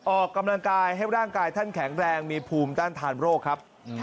ออกกำลังกายให้ร่างกายท่านแข็งแรงมีภูมิต้านทานโรคครับ